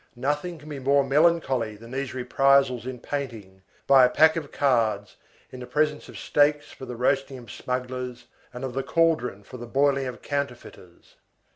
Nothing can be more melancholy than these reprisals in painting, by a pack of cards, in the presence of stakes for the roasting of smugglers and of the cauldron for the boiling of counterfeiters.